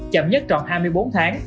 chậm nhất tròn hai mươi bốn tháng